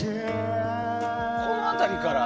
この辺りから。